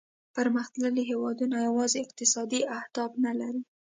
پرمختللي هیوادونه یوازې اقتصادي اهداف نه لري